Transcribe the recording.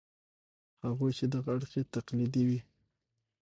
هغوی چې دغه اړخ یې تقلیدي وي.